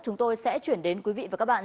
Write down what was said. chúng tôi sẽ chuyển đến quý vị và các bạn